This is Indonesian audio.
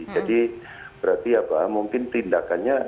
jadi berarti apa mungkin tindakannya